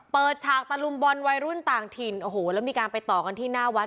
ฉากตะลุมบอลวัยรุ่นต่างถิ่นโอ้โหแล้วมีการไปต่อกันที่หน้าวัด